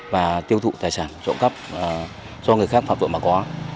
và tiêu thụ tài sản trộm cắp do người khác phạm tội mà có